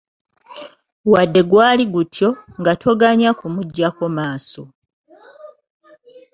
Wadde gwali gutyo, nga toganya kumuggyako maaso.